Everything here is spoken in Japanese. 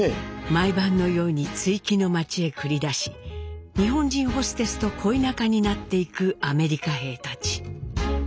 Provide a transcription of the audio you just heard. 毎晩のように築城の街へ繰り出し日本人ホステスと恋仲になっていくアメリカ兵たち。